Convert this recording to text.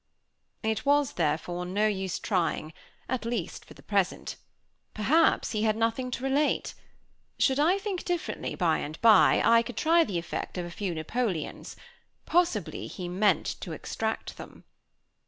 It was, therefore, no use trying, at least for the present. Perhaps he had nothing to relate. Should I think differently, by and by, I could try the effect of a few Napoleons. Possibly he meant to extract them.